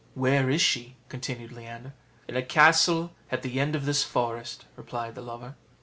"Where is she?" continued Leander. "In a castle at the end of this forest," replied the lover.